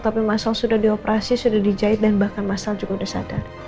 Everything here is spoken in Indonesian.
tapi mas al sudah dioperasi sudah dijahit dan bahkan mas al juga sudah sadar